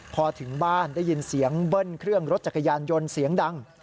พอถึงบ้านได้ยินเสียงเบิ้ลเครื่องรถจักรยานยนต์เสียงดัง